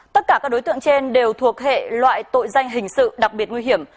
tất cả các đối tượng trên đều thuộc hệ loại tội danh hình sự đặc biệt nguy hiểm